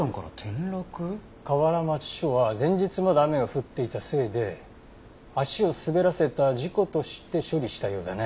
河原町署は前日まで雨が降っていたせいで足を滑らせた事故として処理したようだね。